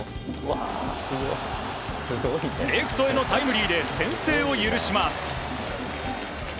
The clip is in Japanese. レフトへのタイムリーで先制を許します。